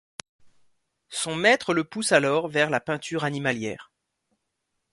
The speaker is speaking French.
Son maître le pousse alors vers la peinture animalière.